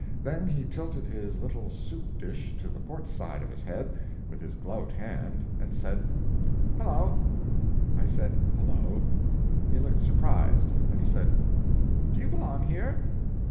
Then he tilted his little soup dish to the port side of his head with his gloved hand, and said: "Hello!" I said "Hello!" He looked surprised. Then he said: "Do you belong here?"